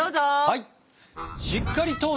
はい！